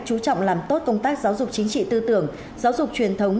chú trọng làm tốt công tác giáo dục chính trị tư tưởng giáo dục truyền thống